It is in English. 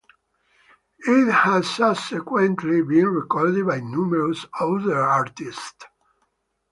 It has subsequently been recorded by numerous other artists.